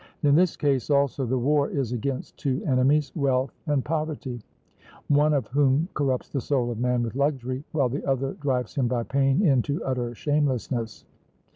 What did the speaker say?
And in this case also the war is against two enemies wealth and poverty; one of whom corrupts the soul of man with luxury, while the other drives him by pain into utter shamelessness.